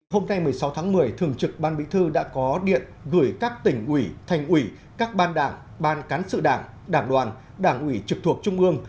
hôm nay một mươi sáu tháng một mươi thường trực ban bí thư đã có điện gửi các tỉnh ủy thành ủy các ban đảng ban cán sự đảng đảng đoàn đảng ủy trực thuộc trung ương